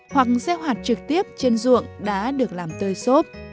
hoặc gieo hạt trực tiếp trên ruộng đã được làm tơi xốp